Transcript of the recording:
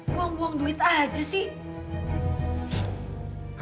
buang buang duit aja sih